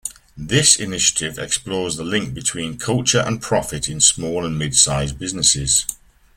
This initiative explores the link between culture and profit in small and mid-size businesses.